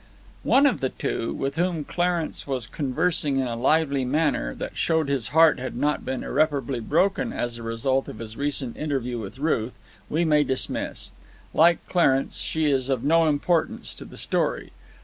One of the two, with whom Clarence was conversing in a lively manner that showed his heart had not been irreparably broken as the result of his recent interview with Ruth, we may dismiss. Like Clarence, she is of no importance to the story.